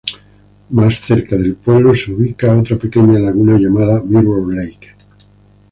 Más cerca del pueblo se ubica otra pequeña laguna llamada Mirror Lake.